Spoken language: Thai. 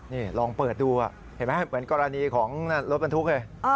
นี่ลองเปิดดูเห็นไหมเหมือนกรณีของรถบรรทุกเลย